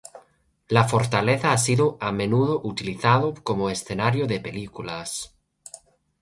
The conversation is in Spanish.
La fortaleza ha sido a menudo utilizado como escenario de películas.